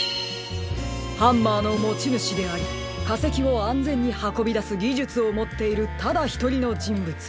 ハンマーのもちぬしでありかせきをあんぜんにはこびだすぎじゅつをもっているただひとりのじんぶつ。